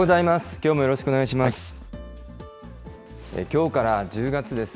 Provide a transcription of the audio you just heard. きょうもよろしくお願いします。